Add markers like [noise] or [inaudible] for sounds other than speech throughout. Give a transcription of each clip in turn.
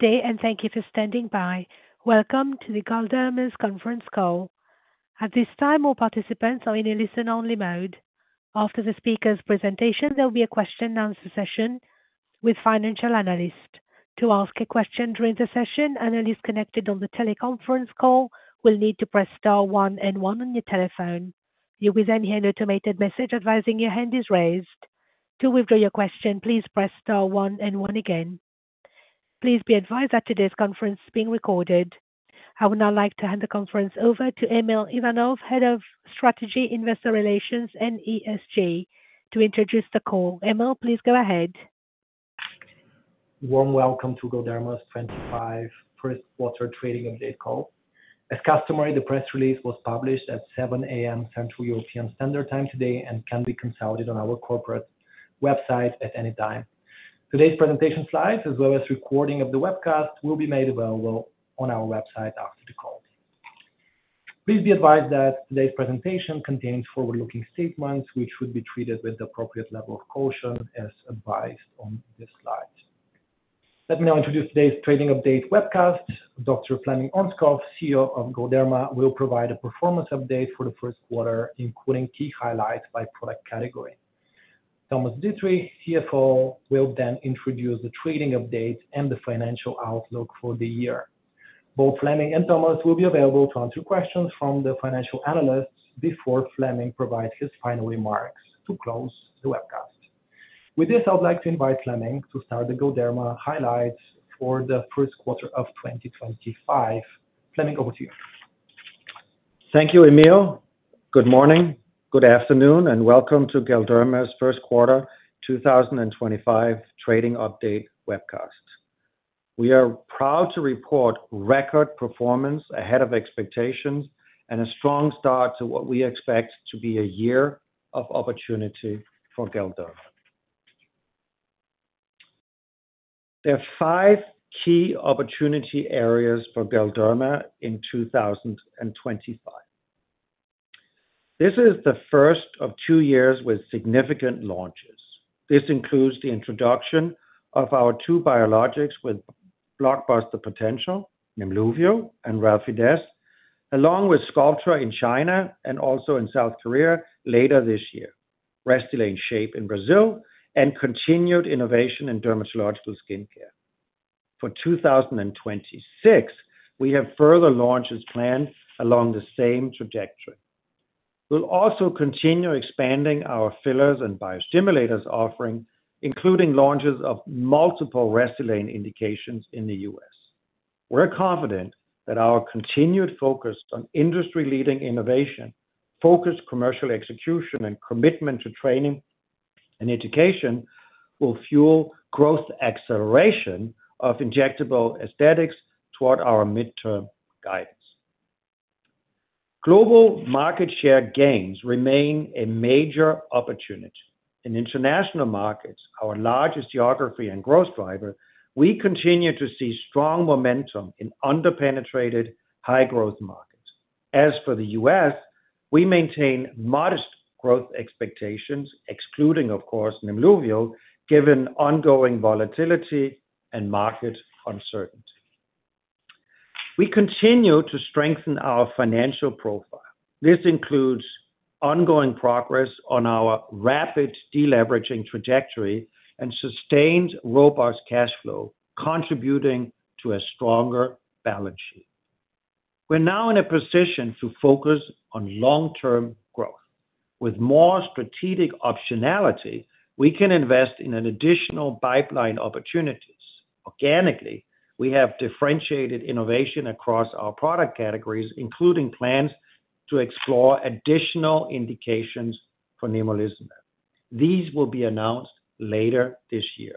Good day, and thank you for standing by. Welcome to Galderma's Conference Call. At this time, all participants are in a listen-only mode. After the speaker's presentation, there will be a question-and-answer session with a financial analyst. To ask a question during the session, analysts connected on the teleconference call will need to press star one and one on your telephone. You will then hear an automated message advising your hand is raised. To withdraw your question, please press star one and one again. Please be advised that today's conference is being recorded. I would now like to hand the conference over to Emil Ivanov, Head of Strategy, Investor Relations, and ESG, to introduce the call. Emil, please go ahead. Warm welcome to Galderma's 2025 First Quarter Trading Update Call. As customary, the press release was published at 7:00 A.M. Central European Standard Time today and can be consulted on our corporate website at any time. Today's presentation slides, as well as recording of the webcast, will be made available on our website after the call. Please be advised that today's presentation contains forward-looking statements, which should be treated with the appropriate level of caution, as advised on this slide. Let me now introduce today's trading update webcast. Dr. Flemming Ørnskov, CEO of Galderma, will provide a performance update for the first quarter, including key highlights by product category. Thomas Dittrich, CFO, will then introduce the trading update and the financial outlook for the year. Both Flemming and Thomas will be available to answer questions from the financial analysts before Flemming provides his final remarks to close the webcast. With this, I would like to invite Flemming to start the Galderma highlights for the first quarter of 2025. Flemming, over to you. Thank you, Emil. Good morning, good afternoon, and welcome to Galderma's First Quarter 2025 Trading Update webcast. We are proud to report record performance ahead of expectations and a strong start to what we expect to be a year of opportunity for Galderma. There are five key opportunity areas for Galderma in 2025. This is the first of two years with significant launches. This includes the introduction of our two biologics with blockbuster potential, Nemluvio and Relfydess, along with Sculptra in China and also in South Korea later this year, Restylane SHAYPE in Brazil, and continued innovation in Dermatological Skincare. For 2026, we have further launches planned along the same trajectory. We'll also continue expanding our fillers and biostimulators offering, including launches of multiple Restylane indications in the U.S. We're confident that our continued focus on industry-leading innovation, focused commercial execution, and commitment to training and education will fuel growth acceleration of Injectable Aesthetics toward our midterm guidance. Global market share gains remain a major opportunity. In international markets, our largest geography and growth driver, we continue to see strong momentum in underpenetrated high-growth markets. As for the U.S., we maintain modest growth expectations, excluding, of course, Nemluvio, given ongoing volatility and market uncertainty. We continue to strengthen our financial profile. This includes ongoing progress on our rapid deleveraging trajectory and sustained robust cash flow, contributing to a stronger balance sheet. We're now in a position to focus on long-term growth. With more strategic optionality, we can invest in additional pipeline opportunities. Organically, we have differentiated innovation across our product categories, including plans to explore additional indications for nemolizumab. These will be announced later this year.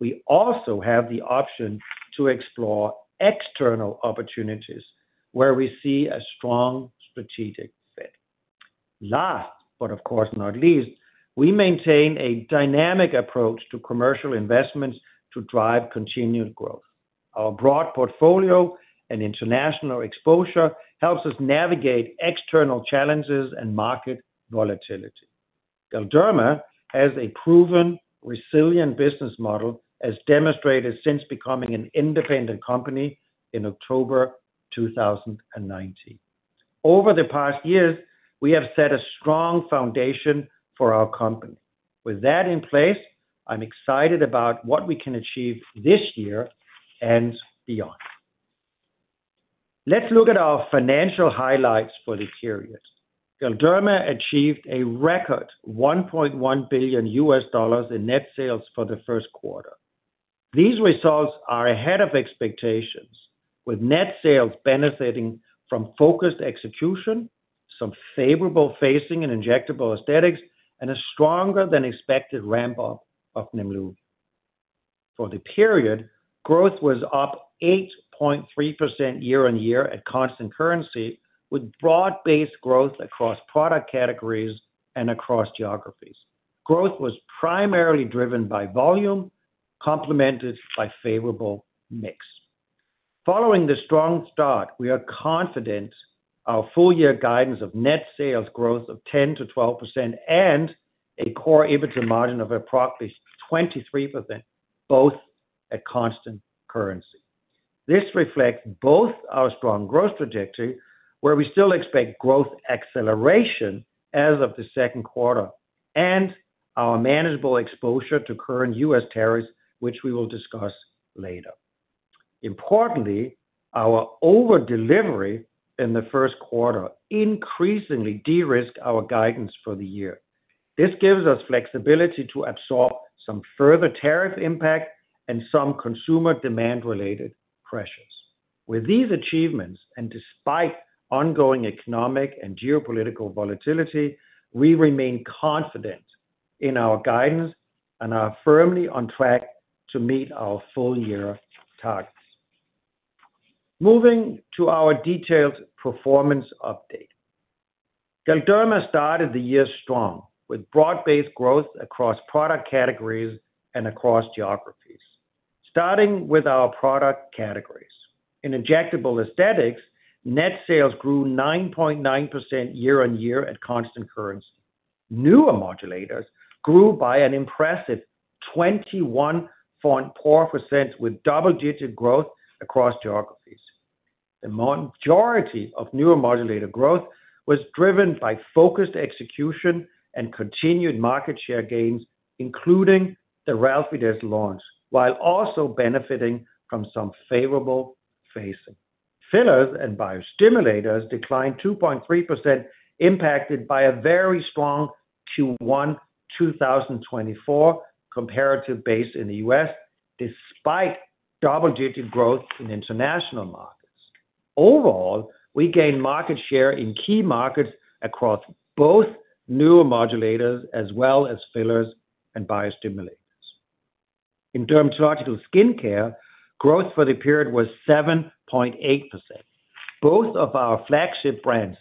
We also have the option to explore external opportunities where we see a strong strategic fit. Last, but of course not least, we maintain a dynamic approach to commercial investments to drive continued growth. Our broad portfolio and international exposure helps us navigate external challenges and market volatility. Galderma has a proven, resilient business model, as demonstrated since becoming an independent company in October 2019. Over the past years, we have set a strong foundation for our company. With that in place, I'm excited about what we can achieve this year and beyond. Let's look at our financial highlights for the period. Galderma achieved a record $1.1 billion in net sales for the first quarter. These results are ahead of expectations, with net sales benefiting from focused execution, some favorable phasing and Injectable Aesthetics, and a stronger-than-expected ramp-up of Nemluvio. For the period, growth was up 8.3% year-on-year at constant currency, with broad-based growth across product categories and across geographies. Growth was primarily driven by volume, complemented by favorable mix. Following the strong start, we are confident our full-year guidance of net sales growth of 10%-12% and a core EBITDA margin of approximately 23%, both at constant currency. This reflects both our strong growth trajectory, where we still expect growth acceleration as of the second quarter, and our manageable exposure to current U.S. tariffs, which we will discuss later. Importantly, our over-delivery in the first quarter increasingly de-risked our guidance for the year. This gives us flexibility to absorb some further tariff impact and some consumer demand-related pressures. With these achievements and despite ongoing economic and geopolitical volatility, we remain confident in our guidance and are firmly on track to meet our full-year targets. Moving to our detailed performance update. Galderma started the year strong, with broad-based growth across product categories and across geographies. Starting with our product categories, in Injectable Aesthetics, net sales grew 9.9% year-on-year at constant currency. Neuromodulators grew by an impressive 21.4%, with double-digit growth across geographies. The majority of neuromodulators growth was driven by focused execution and continued market share gains, including the Relfydess launch, while also benefiting from some favorable phasing. Fillers and biostimulators declined 2.3%, impacted by a very strong Q1 2024 comparative base in the U.S., despite double-digit growth in International markets. Overall, we gained market share in key markets across both neuromodulators as well as fillers and biostimulators. In Dermatological Skincare, growth for the period was 7.8%. Both of our flagship brands,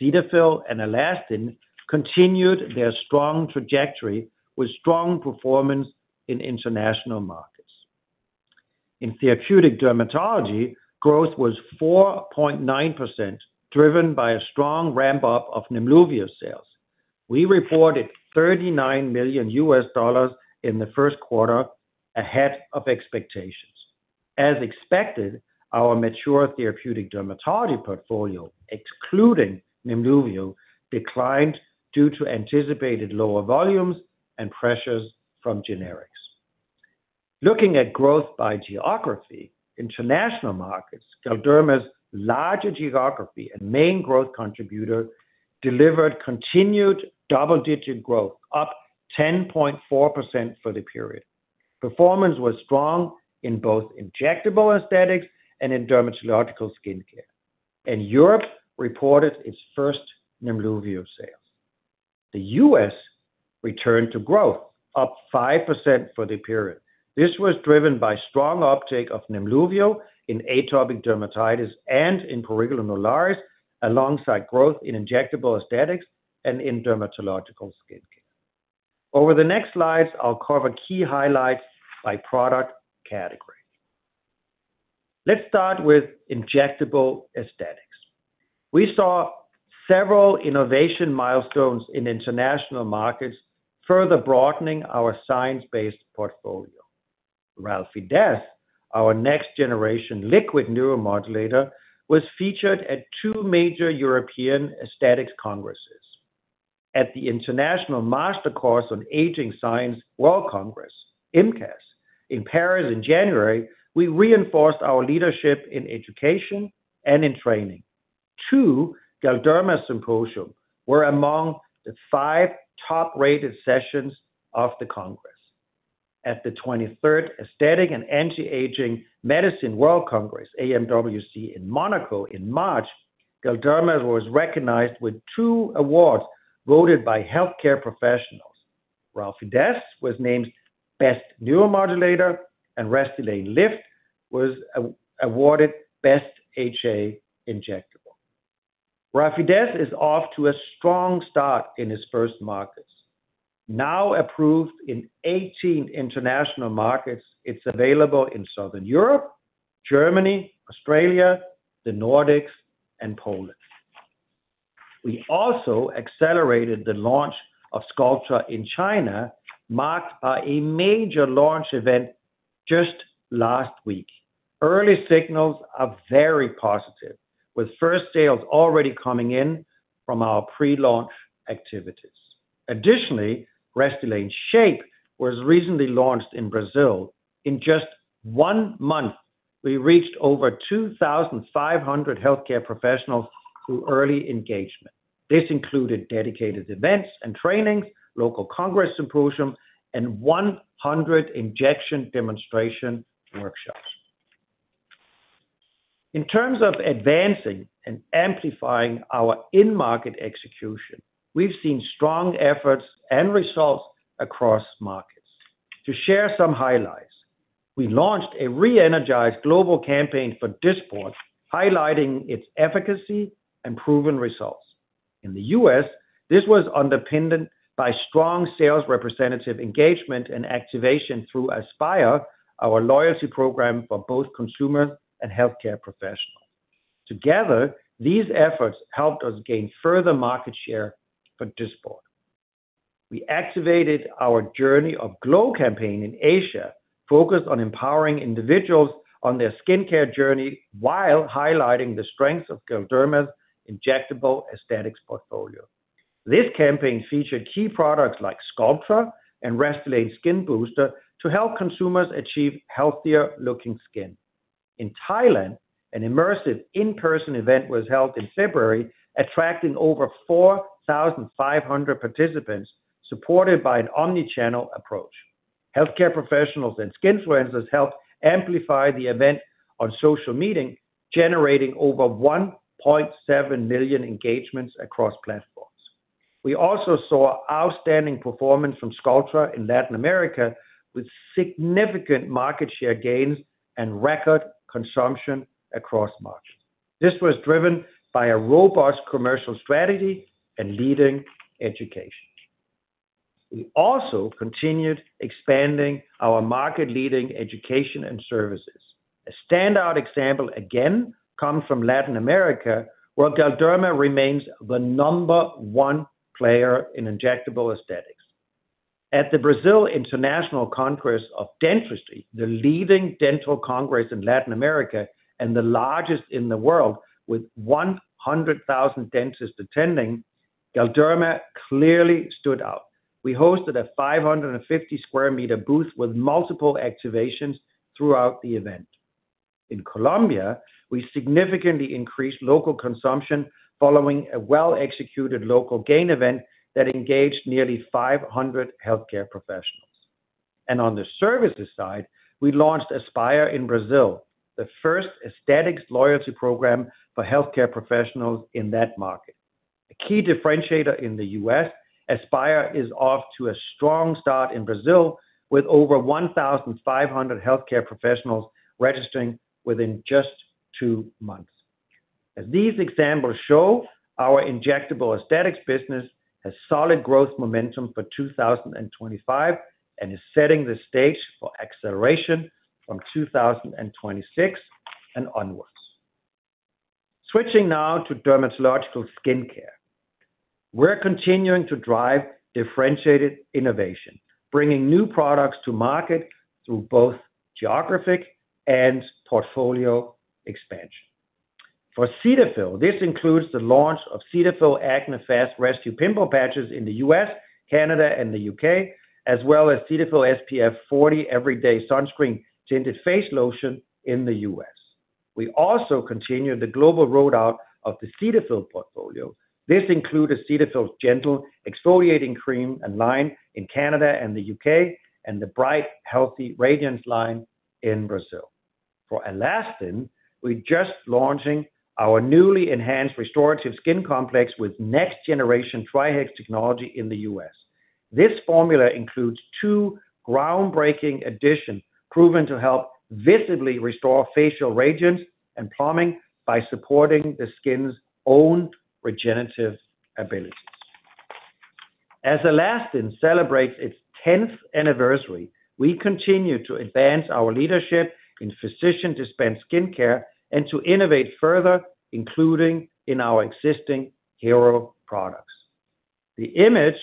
Cetaphil and Alastin, continued their strong trajectory with strong performance in international markets. In Therapeutic Dermatology, growth was 4.9%, driven by a strong ramp-up of Nemluvio sales. We reported $39 million in the first quarter, ahead of expectations. As expected, our mature Therapeutic Dermatology portfolio, excluding Nemluvio, declined due to anticipated lower volumes and pressures from generics. Looking at growth by geography, International markets, Galderma's larger geography and main growth contributor, delivered continued double-digit growth, up 10.4% for the period. Performance was strong in both Injectable Aesthetics and in Dermatological Skincare. Europe reported its first Nemluvio sales. The U.S. returned to growth, up 5% for the period. This was driven by strong uptake of Nemluvio in atopic dermatitis and in prurigo nodularis, alongside growth in Injectable Aesthetics and in Dermatological Skincare. Over the next slides, I'll cover key highlights by product category. Let's start with Injectable Aesthetics. We saw several innovation milestones in International markets, further broadening our science-based portfolio. Relfydess, our next generation liquid neuromodulator, was featured at two major European aesthetics congresses. At the International Master Course on Aging Science World Congress, IMCAS, in Paris in January, we reinforced our leadership in education and in training. Two Galderma Symposia were among the five top-rated sessions of the congress. At the 23rd Aesthetic & Anti-Aging Medicine World Congress, AMWC, in Monaco in March, Galderma was recognized with two awards voted by healthcare professionals. Relfydess was named Best neuromodulator, and Restylane Lyft was awarded Best HA Injectable. Relfydess is off to a strong start in its first markets. Now approved in 18 International markets, it's available in Southern Europe, Germany, Australia, the Nordics, and Poland. We also accelerated the launch of Sculptra in China, marked by a major launch event just last week. Early signals are very positive, with first sales already coming in from our pre-launch activities. Additionally, Restylane SHAYPE was recently launched in Brazil. In just one month, we reached over 2,500 healthcare professionals through early engagement. This included dedicated events and trainings, local congress symposium, and 100 injection demonstration workshops. In terms of advancing and amplifying our in-market execution, we've seen strong efforts and results across markets. To share some highlights, we launched a re-energized global campaign for Dysport, highlighting its efficacy and proven results. In the U.S., this was underpinned by strong sales representative engagement and activation through ASPIRE, our loyalty program for both consumers and healthcare professionals. Together, these efforts helped us gain further market share for Dysport. We activated our Journey of Glow campaign in Asia, focused on empowering individuals on their skincare journey while highlighting the strengths of Galderma's Injectable Aesthetics portfolio. This campaign featured key products like Sculptra and Restylane Skinboosters to help consumers achieve healthier-looking skin. In Thailand, an immersive in-person event was held in February, attracting over 4,500 participants supported by an omnichannel approach. Healthcare professionals and skin influencers helped amplify the event on social media, generating over 1.7 million engagements across platforms. We also saw outstanding performance from Sculptra in Latin America, with significant market share gains and record consumption across markets. This was driven by a robust commercial strategy and leading education. We also continued expanding our market-leading education and services. A standout example again comes from Latin America, where Galderma remains the number one player in Injectable Aesthetics. At the Brazil International Congress of Dentistry, the leading dental congress in Latin America and the largest in the world, with 100,000 dentists attending, Galderma clearly stood out. We hosted a 550 sq m booth with multiple activations throughout the event. In Colombia, we significantly increased local consumption following a well-executed local GAIN event that engaged nearly 500 healthcare professionals. On the services side, we launched ASPIRE in Brazil, the first aesthetics loyalty program for healthcare professionals in that market. A key differentiator in the U.S., ASPIRE is off to a strong start in Brazil, with over 1,500 healthcare professionals registering within just two months. As these examples show, our Injectable Aesthetics business has solid growth momentum for 2025 and is setting the stage for acceleration from 2026 and onwards. Switching now to Dermatological Skincare, we're continuing to drive differentiated innovation, bringing new products to market through both geographic and portfolio expansion. For Cetaphil, this includes the launch of Cetaphil Gentle Clear Pimple Patches in the U.S., Canada, and the U.K., as well as Cetaphil Everyday Sunscreen Tinted Face Lotion SPF 40 in the U.S. We also continue the global rollout of the Cetaphil portfolio. This includes Cetaphil Gentle Exfoliating Cleanser and line in Canada and the U.K., and the Bright Healthy Radiance line in Brazil. For Alastin, we're just launching our newly enhanced Restorative Skin Complex with Next Generation TriHex Technology in the U.S. This formula includes two groundbreaking additions proven to help visibly restore facial radiance and plumping by supporting the skin's own regenerative abilities. As Alastin celebrates its 10th anniversary, we continue to advance our leadership in physician-dispensed skincare and to innovate further, including in our existing hero products. The image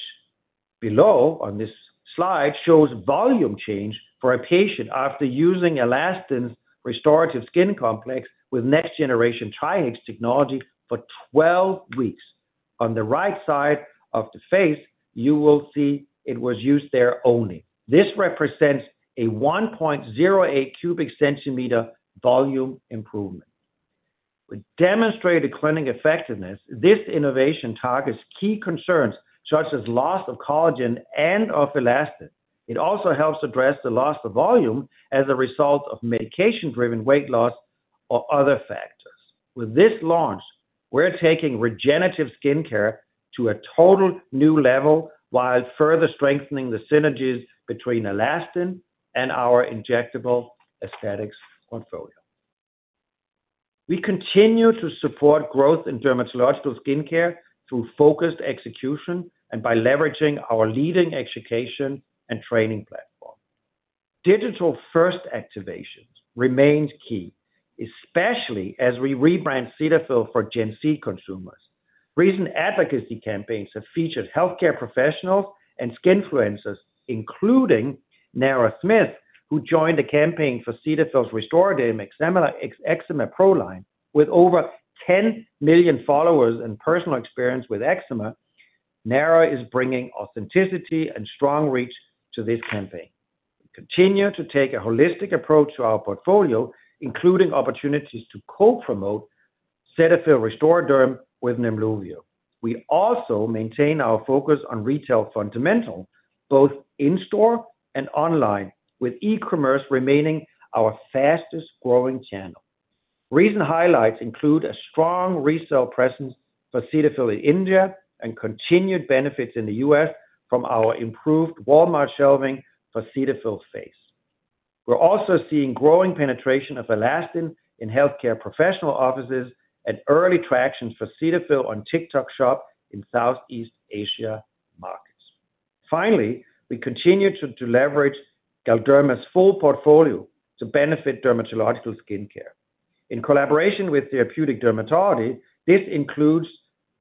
below on this slide shows volume change for a patient after using Alastin's Restorative Skin Complex with Next Generation TriHex Technology for 12 weeks. On the right side of the face, you will see it was used there only. This represents a 1.08 cu cm volume improvement. With demonstrated clinic effectiveness, this innovation targets key concerns such as loss of collagen and of elastin. It also helps address the loss of volume as a result of medication-driven weight loss or other factors. With this launch, we're taking regenerative skincare to a total new level while further strengthening the synergies between Alastin and our Injectable Aesthetics portfolio. We continue to support growth in Dermatological Skincare through focused execution and by leveraging our leading education and training platform. Digital-first activations remain key, especially as we rebrand Cetaphil for Gen Z consumers. Recent advocacy campaigns have featured healthcare professionals and skin influencers, including Nara Smith, who joined the campaign for Cetaphil's Restoraderm Eczema Pro Line with over 10 million followers and personal experience with Eczema. Nara is bringing authenticity and strong reach to this campaign. We continue to take a holistic approach to our portfolio, including opportunities to co-promote Cetaphil Restoraderm with Nemluvio. We also maintain our focus on retail fundamentals, both in-store and online, with e-commerce remaining our fastest growing channel. Recent highlights include a strong retail presence for Cetaphil in India and continued benefits in the U.S. from our improved Walmart shelving for Cetaphil face. We're also seeing growing penetration of Alastin in healthcare professional offices and early tractions for Cetaphil on TikTok Shop in Southeast Asia markets. Finally, we continue to leverage Galderma's full portfolio to benefit Dermatological Skincare. In collaboration with Therapeutic Dermatology, this includes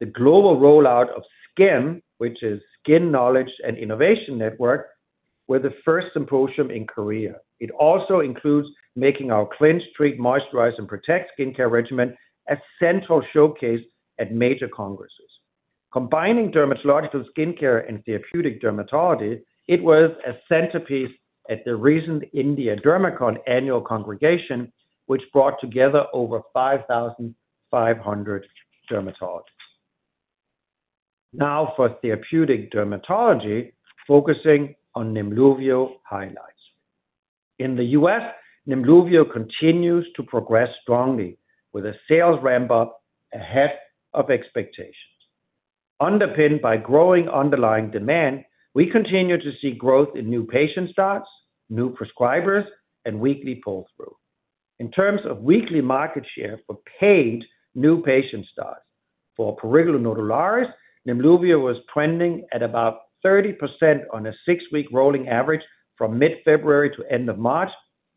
the global rollout of SKIN, which is Skin Knowledge and Innovation Network, with the first symposium in Korea. It also includes making our Cleanse, Treat, Moisturize, and Protect skincare regimen a central showcase at major congresses. Combining Dermatological Skincare and Therapeutic Dermatology, it was a centerpiece at the recent Indian DERMACON annual congregation, which brought together over 5,500 dermatologists. Now for Therapeutic Dermatology, focusing on Nemluvio highlights. In the U.S., Nemluvio continues to progress strongly, with a sales ramp-up ahead of expectations. Underpinned by growing underlying demand, we continue to see growth in new patient starts, new prescribers, and weekly pull-through. In terms of weekly market share for paid new patient starts for prurigo nodularis, Nemluvio was trending at about 30% on a six-week rolling average from mid-February to end of March,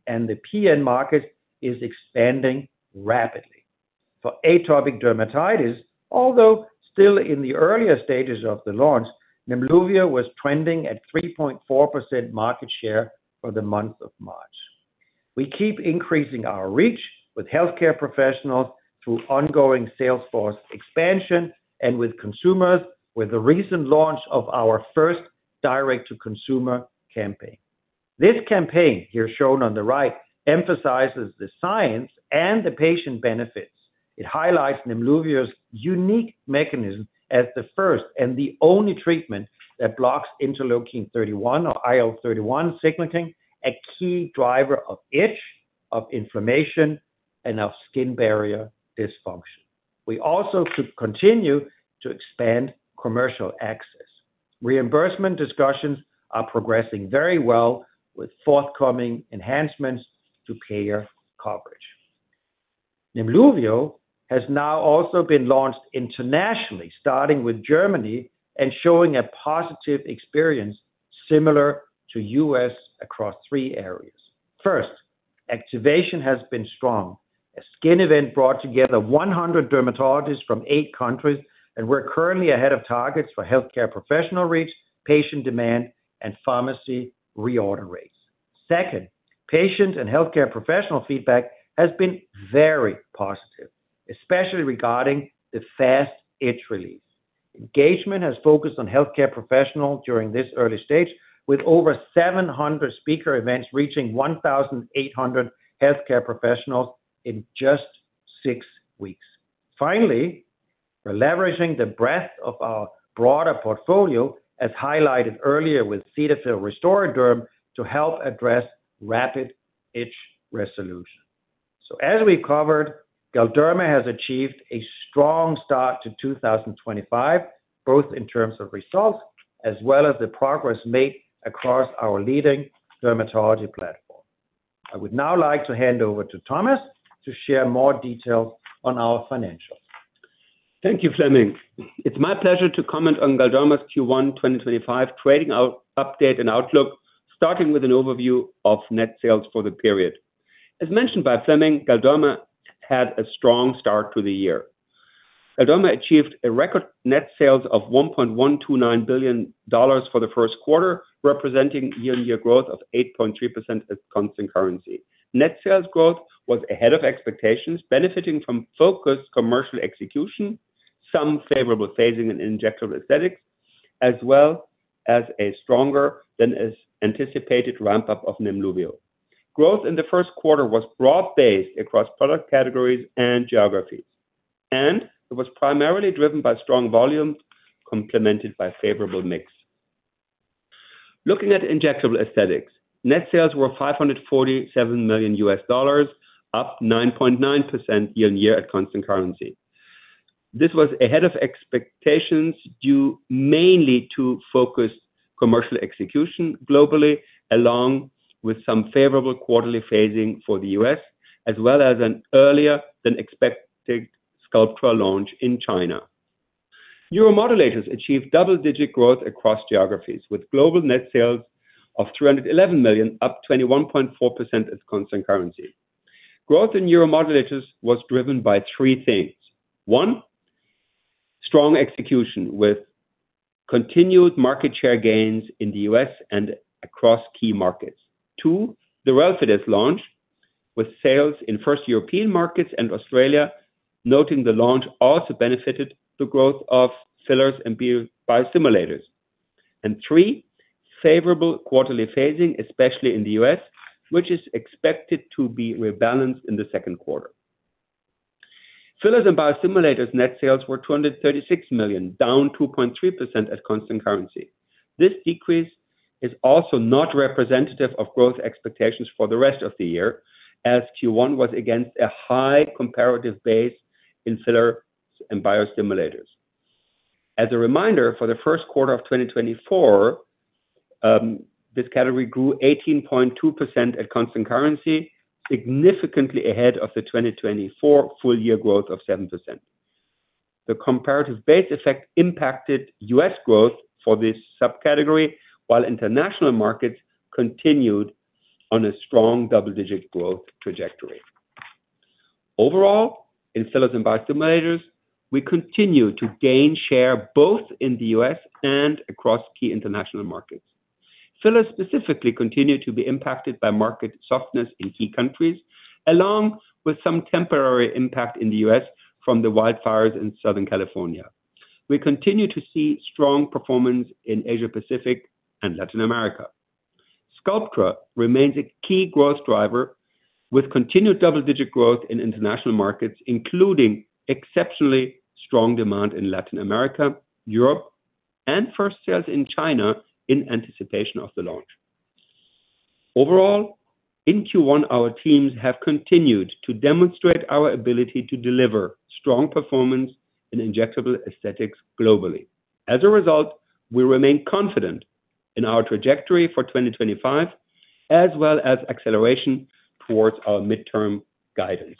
and the PN market is expanding rapidly. For atopic dermatitis, although still in the earlier stages of the launch, Nemluvio was trending at 3.4% market share for the month of March. We keep increasing our reach with healthcare professionals through ongoing salesforce expansion and with consumers with the recent launch of our first direct-to-consumer campaign. This campaign, here shown on the right, emphasizes the science and the patient benefits. It highlights Nemluvio's unique mechanism as the first and the only treatment that blocks interleukin-31 or IL-31 signaling, a key driver of itch, of inflammation, and of skin barrier dysfunction. We also continue to expand commercial access. Reimbursement discussions are progressing very well with forthcoming enhancements to payer coverage. Nemluvio has now also been launched internationally, starting with Germany and showing a positive experience similar to U.S. across three areas. First, activation has been strong. A SKIN event brought together 100 dermatologists from eight countries, and we're currently ahead of targets for healthcare professional reach, patient demand, and pharmacy reorder rates. Second, patient and healthcare professional feedback has been very positive, especially regarding the fast itch relief. Engagement has focused on healthcare professionals during this early stage, with over 700 speaker events reaching 1,800 healthcare professionals in just six weeks. Finally, we are leveraging the breadth of our broader portfolio, as highlighted earlier with Cetaphil Restoraderm to help address rapid itch resolution. As we covered, Galderma has achieved a strong start to 2025, both in terms of results as well as the progress made across our leading dermatology platform. I would now like to hand over to Thomas to share more details on our financials. Thank you, Flemming. It is my pleasure to comment on Galderma's Q1 2025 trading update and outlook, starting with an overview of net sales for the period. As mentioned by Flemming, Galderma had a strong start to the year. Galderma achieved a record net sales of $1.129 billion for the first quarter, representing year-on-year growth of 8.3% at constant currency. Net sales growth was ahead of expectations, benefiting from focused commercial execution, some favorable phasing in Injectable Aesthetics, as well as a stronger-than-anticipated ramp-up of Nemluvio. Growth in the first quarter was broad-based across product categories and geographies, and it was primarily driven by strong volume complemented by a favorable mix. Looking at Injectable Aesthetics, net sales were $547 million, up 9.9% year-on-year at constant currency. This was ahead of expectations due mainly to focused commercial execution globally, along with some favorable quarterly phasing for the U.S., as well as an earlier-than-expected Sculptra launch in China. Neuromodulators achieved double-digit growth across geographies, with global net sales of $311 million, up 21.4% at constant currency. Growth in neuromodulators was driven by three things. One, strong execution with continued market share gains in the U.S. and across key markets. Two, the Relfydess launch with sales in first European markets and Australia, noting the launch also benefited the growth of fillers and biostimulators. Three, favorable quarterly phasing, especially in the U.S., which is expected to be rebalanced in the second quarter. Fillers and biostimulators net sales were $236 million, down 2.3% at constant currency. This decrease is also not representative of growth expectations for the rest of the year, as Q1 was against a high comparative base in fillers and biostimulators. As a reminder, for the first quarter of 2024, this category grew 18.2% at constant currency, significantly ahead of the 2024 full-year growth of 7%. The comparative base effect impacted U.S. growth for this subcategory, while international markets continued on a strong double-digit growth trajectory. Overall, in fillers and biostimulators, we continue to gain share both in the U.S. and across key international markets. Fillers specifically continue to be impacted by market softness in key countries, along with some temporary impact in the US from the wildfires in Southern California. We continue to see strong performance in Asia-Pacific and Latin America. Sculptra remains a key growth driver, with continued double-digit growth in International markets, including exceptionally strong demand in Latin America, Europe, and first sales in China in anticipation of the launch. Overall, in Q1, our teams have continued to demonstrate our ability to deliver strong performance in Injectable Aesthetics globally. As a result, we remain confident in our trajectory for 2025, as well as acceleration towards our midterm guidance.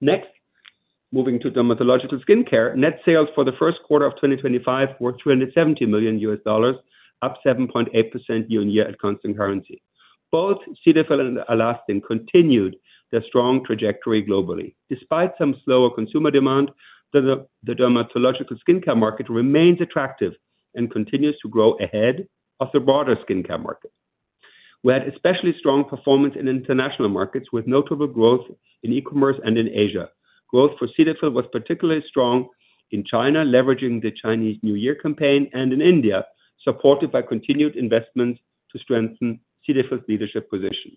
Next, moving to Dermatological Skincare, net sales for the first quarter of 2025 were $370 million, up 7.8% year-on-year at constant currency. Both Cetaphil and Alastin continued their strong trajectory globally. Despite some slower consumer demand, the Dermatological Skincare market remains attractive and continues to grow ahead of the broader skincare market. We had especially strong performance in International markets, with notable growth in e-commerce and in Asia. Growth for Cetaphil was particularly strong in China, leveraging the Chinese New Year campaign, and in India, supported by continued investments to strengthen Cetaphil's leadership position.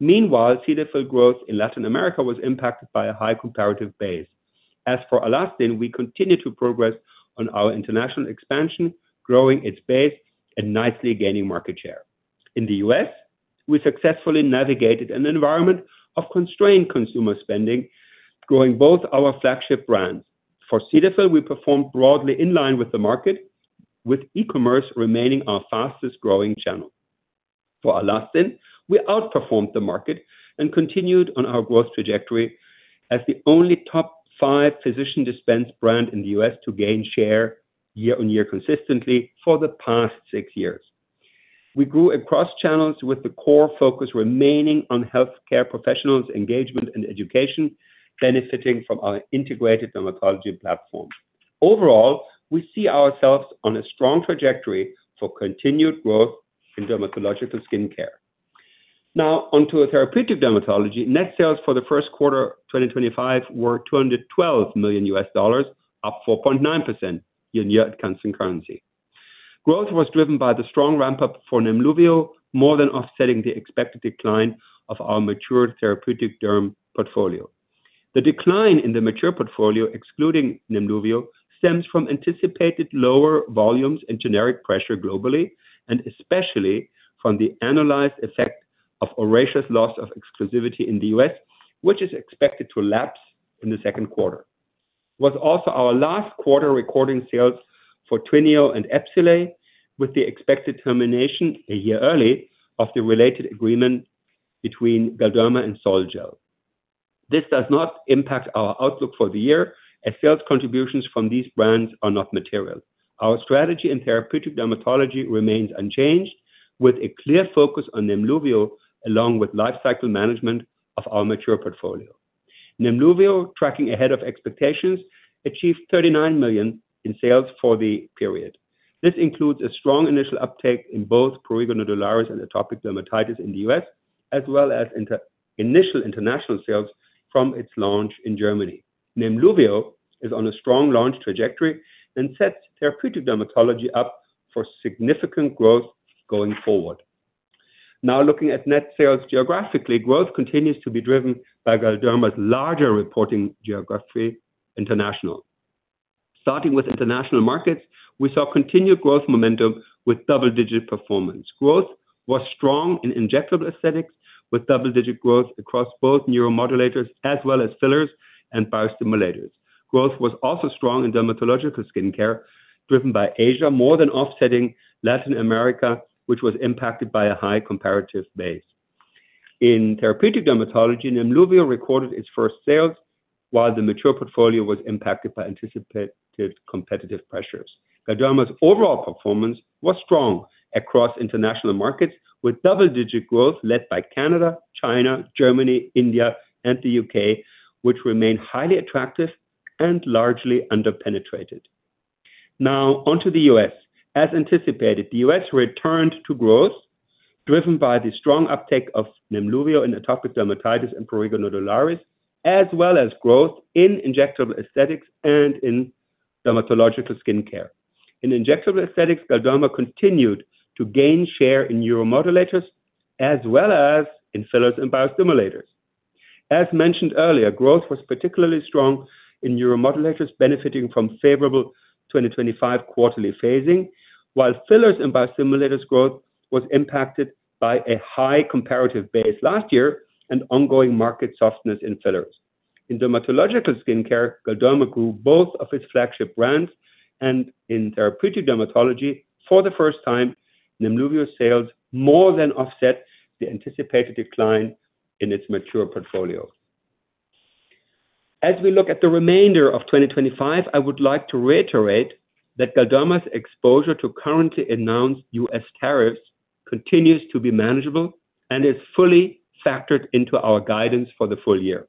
Meanwhile, Cetaphil's growth in Latin America was impacted by a high comparative base. As for Alastin, we continue to progress on our international expansion, growing its base and nicely gaining market share. In the U.S., we successfully navigated an environment of constrained consumer spending, growing both our flagship brands. For Cetaphil, we performed broadly in line with the market, with e-commerce remaining our fastest growing channel. For Alastin, we outperformed the market and continued on our growth trajectory as the only top five physician dispense brand in the U.S. to gain share year-on-year consistently for the past six years. We grew across channels, with the core focus remaining on healthcare professionals, engagement, and education, benefiting from our integrated dermatology platform. Overall, we see ourselves on a strong trajectory for continued growth in Dermatological Skincare. Now, onto Therapeutic Dermatology, net sales for the first quarter of 2025 were $212 million, up 4.9% year-on-year at constant currency. Growth was driven by the strong ramp-up for Nemluvio, more than offsetting the expected decline of our mature Therapeutic Dermatology portfolio. The decline in the mature portfolio, excluding Nemluvio, stems from anticipated lower volumes and generic pressure globally, and especially from the annualized effect of Oracea's loss of exclusivity in the U.S., which is expected to lapse in the second quarter. It was also our last quarter recording sales for TWYNEO and EPSOLAY, with the expected termination a year early of the related agreement between Galderma and Sol-Gel. This does not impact our outlook for the year, as sales contributions from these brands are not material. Our strategy in Therapeutic Dermatology remains unchanged, with a clear focus on Nemluvio, along with lifecycle management of our mature portfolio. Nemluvio, tracking ahead of expectations, achieved $39 million in sales for the period. This includes a strong initial uptake in both prurigo nodularis and atopic dermatitis in the U.S., as well as initial international sales from its launch in Germany. Nemluvio is on a strong launch trajectory and sets Therapeutic Dermatology up for significant growth going forward. Now, looking at net sales geographically, growth continues to be driven by Galderma's larger reporting geography internationally. Starting with International markets, we saw continued growth momentum with double-digit performance. Growth was strong in Injectable Aesthetics, with double-digit growth across both neuromodulators as well as fillers and biostimulators. Growth was also strong in Dermatological Skincare, driven by Asia, more than offsetting Latin America, which was impacted by a high comparative base. In Therapeutic Dermatology, Nemluvio recorded its first sales, while the mature portfolio was impacted by anticipated competitive pressures. Galderma's overall performance was strong across International markets, with double-digit growth led by Canada, China, Germany, India, and the U.K., which remained highly attractive and largely under-penetrated. Now, onto the U.S. as anticipated, the U.S. returned to growth, driven by the strong uptake of Nemluvio in atopic dermatitis and prurigo nodularis, as well as growth in Injectable Aesthetics and in Dermatological Skincare. In Injectable Aesthetics, Galderma continued to gain share in neuromodulators as well as in fillers and biostimulators. As mentioned earlier, growth was particularly strong in neuromodulators, benefiting from favorable 2025 quarterly phasing, while fillers and biostimulators growth was impacted by a high comparative base last year and ongoing market softness in fillers. In Dermatological Skincare, Galderma grew both of its flagship brands, and in Therapeutic Dermatology, for the first time, Nemluvio's sales more than offset the anticipated decline in its mature portfolio. As we look at the remainder of 2025, I would like to reiterate that Galderma's exposure to currently announced U.S. tariffs continues to be manageable and is fully factored into our guidance for the full year.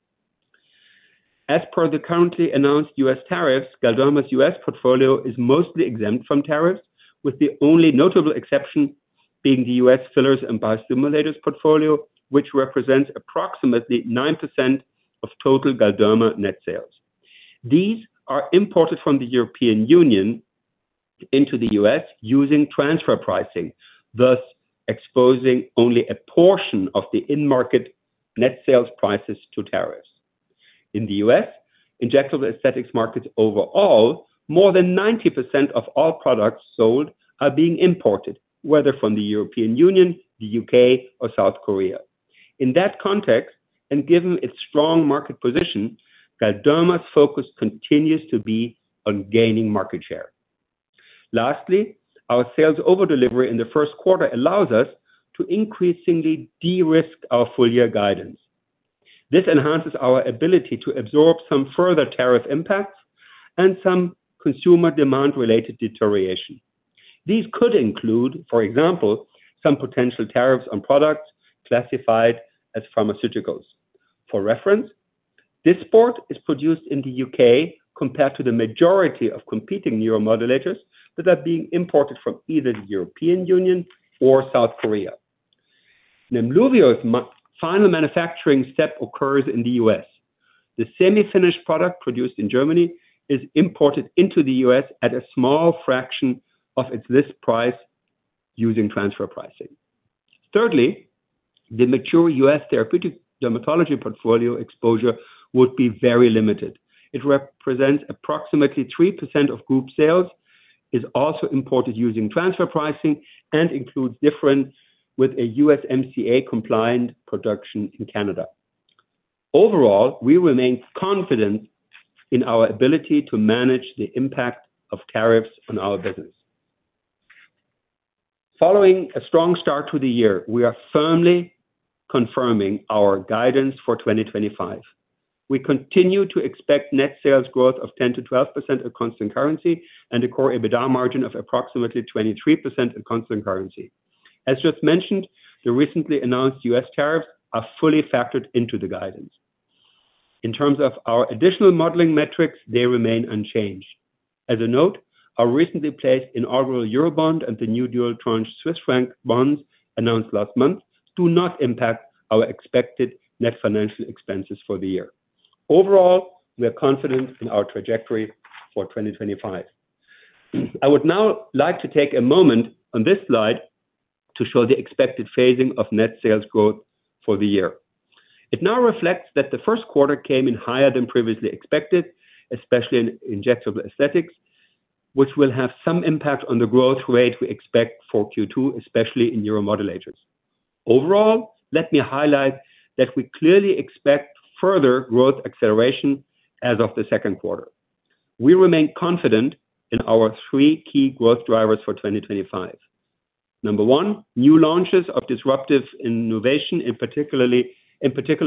As per the currently announced U.S. tariffs, Galderma's U.S. portfolio is mostly exempt from tariffs, with the only notable exception being the U.S. fillers and biostimulators portfolio, which represents approximately 9% of total Galderma net sales. These are imported from the European Union into the U.S. using transfer pricing, thus exposing only a portion of the in-market net sales prices to tariffs. In the U.S., Injectable Aesthetics markets overall, more than 90% of all products sold are being imported, whether from the European Union, the U.K., or South Korea. In that context, and given its strong market position, Galderma's focus continues to be on gaining market share. Lastly, our sales over-delivery in the first quarter allows us to increasingly de-risk our full-year guidance. This enhances our ability to absorb some further tariff impacts and some consumer demand-related deterioration. These could include, for example, some potential tariffs on products classified as pharmaceuticals. For reference, Dysport is produced in the U.K. compared to the majority of competing neuromodulators that are being imported from either the European Union or South Korea. Nemluvio's final manufacturing step occurs in the U.S. The semi-finished product produced in Germany is imported into the U.S. at a small fraction of its list price using transfer pricing. Thirdly, the mature U.S. Therapeutic Dermatology portfolio exposure would be very limited. It represents approximately 3% of group sales, is also imported using transfer pricing, and includes different with a USMCA-compliant production in Canada. Overall, we remain confident in our ability to manage the impact of tariffs on our business. Following a strong start to the year, we are firmly confirming our guidance for 2025. We continue to expect net sales growth of 10%-12% at constant currency and a core EBITDA margin of approximately 23% at constant currency. As just mentioned, the recently announced U.S. tariffs are fully factored into the guidance. In terms of our additional modeling metrics, they remain unchanged. As a note, our recently placed inaugural Eurobond and the new dual tranche Swiss franc bonds announced last month do not impact our expected net financial expenses for the year. Overall, we are confident in our trajectory for 2025. I would now like to take a moment on this slide to show the expected phasing of net sales growth for the year. It now reflects that the first quarter came in higher than previously expected, especially in Injectable Aesthetics, which will have some impact on the growth rate we expect for Q2, especially in neuromodulators. Overall, let me highlight that we clearly expect further growth acceleration as of the second quarter. We remain confident in our three key growth drivers for 2025. Number one, new launches of disruptive innovation, in particular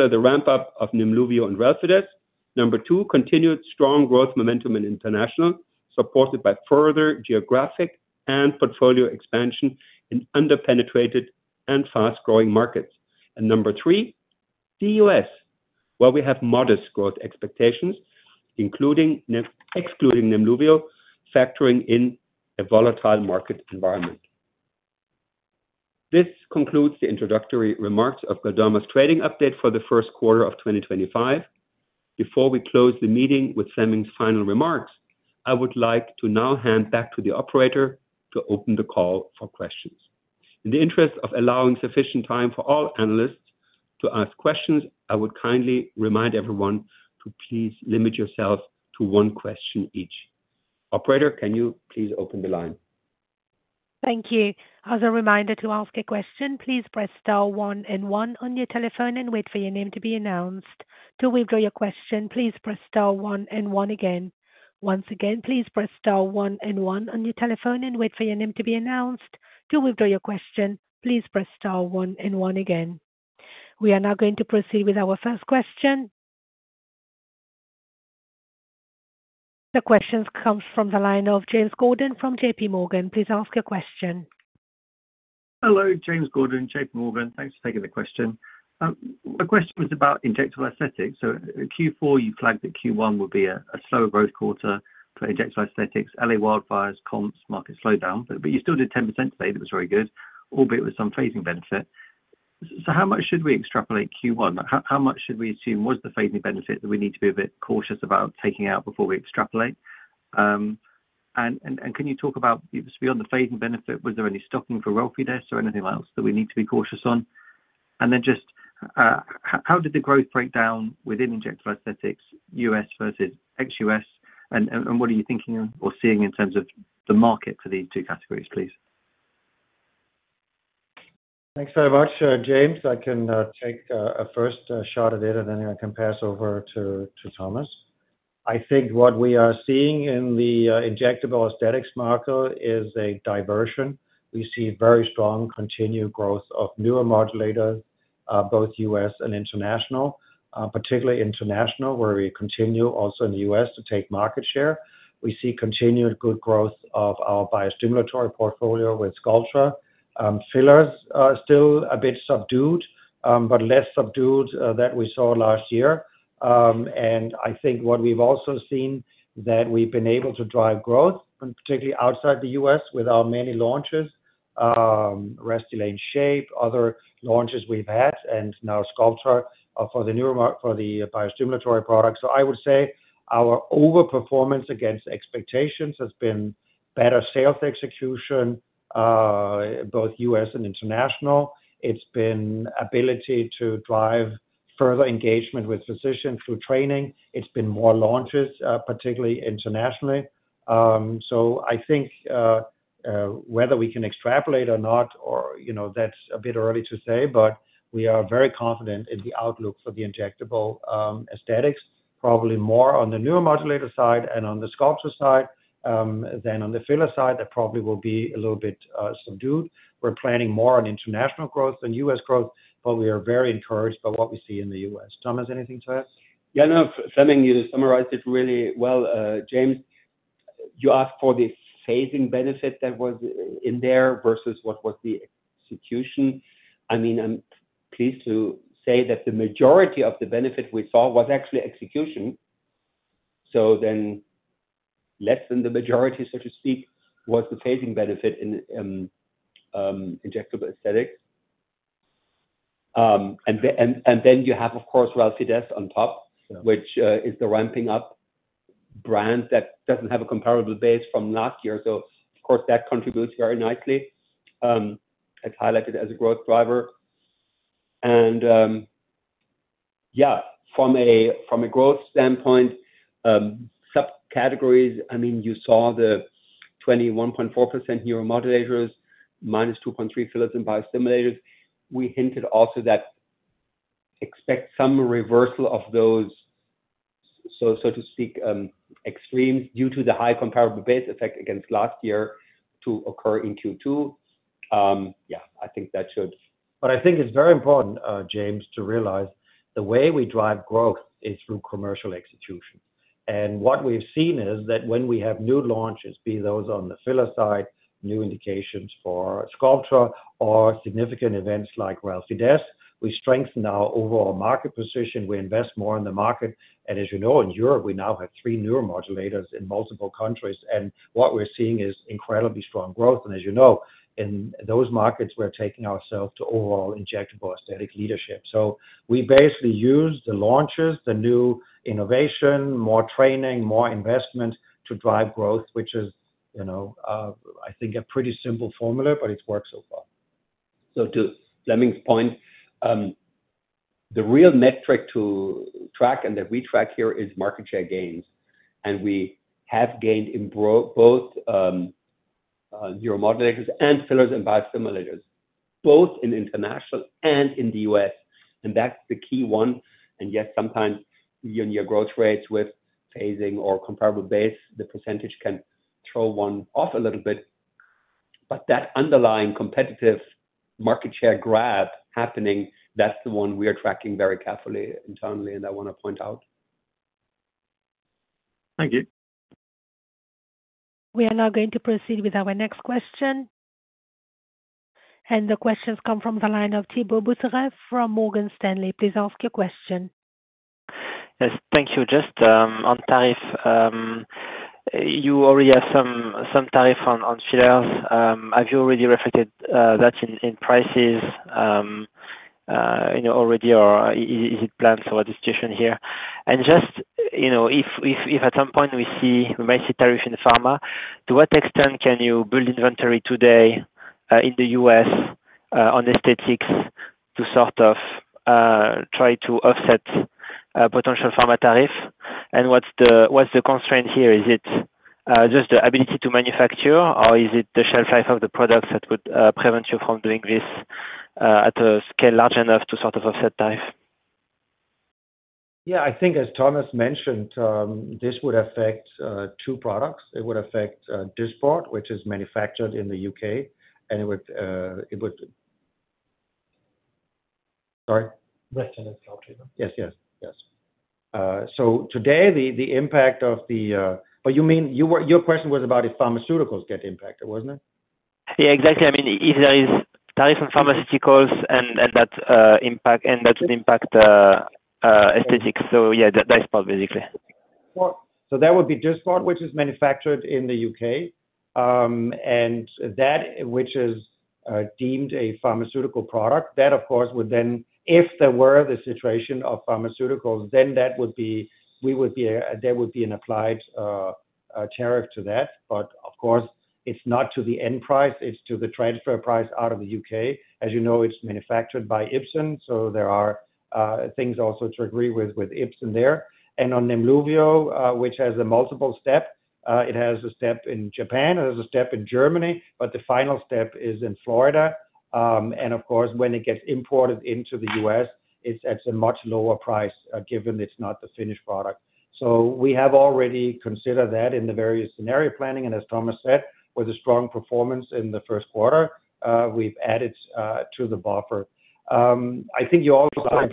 the ramp-up of Nemluvio and Relfydess. Number two, continued strong growth momentum in international, supported by further geographic and portfolio expansion in under-penetrated and fast-growing markets. Number three, the U.S., where we have modest growth expectations, excluding Nemluvio, factoring in a volatile market environment. This concludes the introductory remarks of Galderma's Trading Update for the First Quarter of 2025. Before we close the meeting with Flemming's final remarks, I would like to now hand back to the operator to open the call for questions. In the interest of allowing sufficient time for all analysts to ask questions, I would kindly remind everyone to please limit yourself to one question each. Operator, can you please open the line? Thank you. As a reminder to ask a question, please press star one and one on your telephone and wait for your name to be announced. To withdraw your question, please press star one and one again. Once again, please press star one and one on your telephone and wait for your name to be announced. To withdraw your question, please press star one and one again. We are now going to proceed with our first question. The question comes from the line of James Gordon from JPMorgan. Please ask your question. Hello, James Gordon, JPMorgan. Thanks for taking the question. My question was about Injectable Aesthetics. Q4, you flagged that Q1 would be a slower growth quarter for Injectable Aesthetics, LA wildfires, comps, market slowdown. You still did 10% today. That was very good, albeit with some phasing benefit. How much should we extrapolate Q1? How much should we assume was the phasing benefit that we need to be a bit cautious about taking out before we extrapolate? Can you talk about, beyond the phasing benefit, was there any stocking for Relfydess or anything else that we need to be cautious on? Just how did the growth break down within Injectable Aesthetics, U.S. versus ex-U.S.? What are you thinking or seeing in terms of the market for these two categories, please? Thanks very much, James. I can take a first shot at it, and then I can pass over to Thomas. I think what we are seeing in the Injectable Aesthetics market is a diversion. We see very strong continued growth of neuromodulators, both U.S. and international, particularly international, where we continue also in the U.S. to take market share. We see continued good growth of our biostimulator portfolio with Sculptra. Fillers are still a bit subdued, but less subdued than we saw last year. I think what we've also seen is that we've been able to drive growth, particularly outside the U.S., with our many launches, Restylane SHAYPE, other launches we've had, and now Sculptra for the biostimulator products. I would say our overperformance against expectations has been better sales execution, both U.S. and international. It's been ability to drive further engagement with physicians through training. It's been more launches, particularly internationally. I think whether we can extrapolate or not, that's a bit early to say, but we are very confident in the outlook for the Injectable Aesthetics, probably more on the neuromodulator side and on the Sculptra side than on the filler side. That probably will be a little bit subdued. We're planning more on international growth than U.S. growth, but we are very encouraged by what we see in the U.S. Thomas, anything to add? Yeah, no, Flemming, you summarized it really well, James, you asked for the phasing benefit that was in there versus what was the execution. I mean, I'm pleased to say that the majority of the benefit we saw was actually execution. Less than the majority, so to speak, was the phasing benefit in Injectable Aesthetics. You have, of course, Relfydess on top, which is the ramping-up brand that doesn't have a comparable base from last year. That contributes very nicely. It's highlighted as a growth driver. Yeah, from a growth standpoint, subcategories, you saw the 21.4% neuromodulators, -2.3% fillers and biostimulators. We hinted also that expect some reversal of those, so to speak, extremes due to the high comparable base effect against last year to occur in Q2. Yeah, I think that should. I think it's very important, James, to realize the way we drive growth is through commercial execution. What we've seen is that when we have new launches, be those on the filler side, new indications for Sculptra, or significant events like Relfydess, we strengthen our overall market position. We invest more in the market. As you know, in Europe, we now have three neuromodulators in multiple countries. What we're seeing is incredibly strong growth. As you know, in those markets, we're taking ourselves to overall Injectable Aesthetic leadership. We basically use the launches, the new innovation, more training, more investment to drive growth, which is, I think, a pretty simple formula, but it's worked so far. To Flemming's point, the real metric to track and that we track here is market share gains. We have gained in both neuromodulators and fillers and biostimulators, both in international and in the U.S. That is the key one. Yes, sometimes near growth rates with phasing or comparable base, the percentage can throw one off a little bit. That underlying competitive market share grab happening, that is the one we are tracking very carefully internally, and I want to point out. Thank you. We are now going to proceed with our next question. The questions come from the line of Thibault Boutherin from Morgan Stanley. Please ask your question. Yes, thank you. Just on tariff, you already have some tariff on fillers. Have you already reflected that in prices already, or is it planned for the situation here? If at some point we see, we may see tariff in pharma, to what extent can you build inventory today in the U.S. on Aesthetics to sort of try to offset potential pharma tariff? What is the constraint here? Is it just the ability to manufacture, or is it the shelf life of the products that would prevent you from doing this at a scale large enough to sort of offset tariff? Yeah, I think as Thomas mentioned, this would affect two products. It would affect Dysport, which is manufactured in the U.K., and it would. Sorry? Restylane, Sculptra. Yes, yes, yes. Today, the impact of the, but you mean your question was about if pharmaceuticals get impacted, was it not? Yeah, exactly. I mean, if there is tariff on pharmaceuticals and that impacts Aesthetics. Yeah, Dysport, basically. That would be Dysport, which is manufactured in the U.K., and that, which is deemed a pharmaceutical product, that, of course, would then if there were the situation of pharmaceuticals, then that would be, we would be, there would be an applied tariff to that. Of course, it's not to the end price. It's to the transfer price out of the U.K. As you know, it's manufactured by Ipsen, so there are things also to agree with Ipsen there. On Nemluvio, which has a multiple step, it has a step in Japan, it has a step in Germany, but the final step is in Florida. Of course, when it gets imported into the U.S., it's at a much lower price given it's not the finished product. We have already considered that in the various scenario planning. As Thomas said, with a strong performance in the first quarter, we've added to the buffer. I think you also.